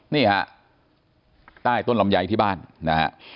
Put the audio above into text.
นี่ฮะใต้ต้นลำไยที่บ้านนะฮะ